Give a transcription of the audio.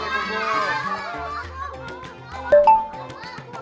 tradisi berbagi saat lebaran